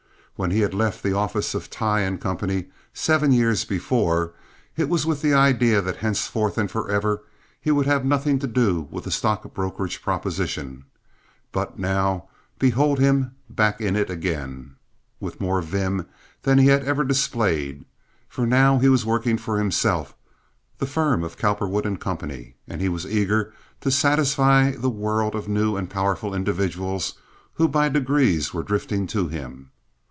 When he had left the office of Tighe & Co., seven years before, it was with the idea that henceforth and forever he would have nothing to do with the stock brokerage proposition; but now behold him back in it again, with more vim than he had ever displayed, for now he was working for himself, the firm of Cowperwood & Co., and he was eager to satisfy the world of new and powerful individuals who by degrees were drifting to him.